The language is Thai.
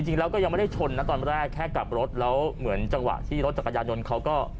จริงแล้วก็ยังไม่ได้ชนนะตอนแรกแค่กลับรถแล้วเหมือนจังหวะที่รถจักรยานยนต์เขาก็